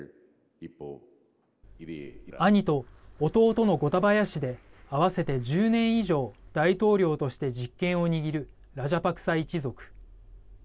兄と弟のゴタバヤ氏で合わせて１０年以上大統領として実権を握るラジャパクサ一族。